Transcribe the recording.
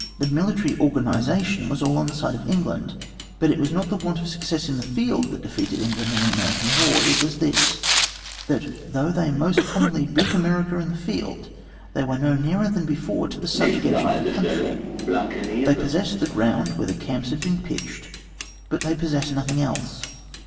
The military organisation was all on the side of England, but it was not the want of success in the field that defeated England in the American war. It was this that though they most commonly beat America in the field, they were no nearer than before to the subjugation of the country. They possessed the ground where the camps had been pitched, but they possessed nothing else.